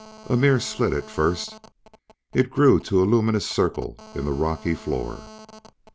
A mere slit at first, it grew to a luminous circle in the rocky floor.